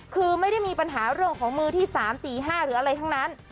คือไม่ได้มีปัญหาเรื่องของมือที่๓๔๕หรืออะไรทั้งนั้น